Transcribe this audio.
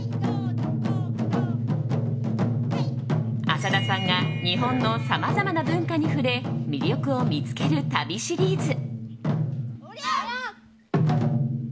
浅田さんが日本のさまざまな文化に触れ魅力を見つける旅シリーズ。